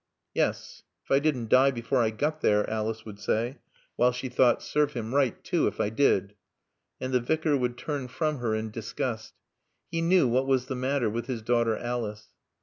"Yes. If I didn't die before I got there," Alice would say, while she thought, "Serve him right, too, if I did." And the Vicar would turn from her in disgust. He knew what was the matter with his daughter Alice.